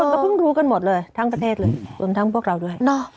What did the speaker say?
ก็เพิ่งรู้กันหมดเลยทั้งประเทศเลยรวมทั้งพวกเราด้วย